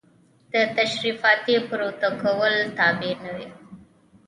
د تشریفاتي پروتوکول تابع نه وي.